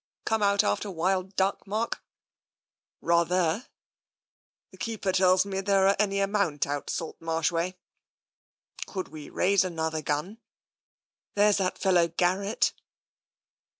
" Come out after wild duck, Mark? *'*' Rather/' " The keeper tells me there are any amount out Salt Marsh way. Could we raise another gun? "" There's that fellow Garrett."